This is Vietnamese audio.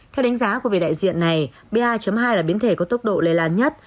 theo đánh giá của vị đại diện này ba hai là biến thể có tốc độ lây lan nhất